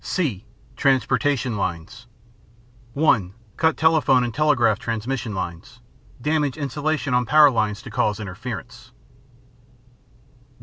(c) Transportation Lines (1) Cut telephone and telegraph transmission lines. Damage insulation on power lines to cause interference.